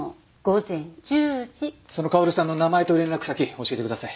その薫さんの名前と連絡先教えてください。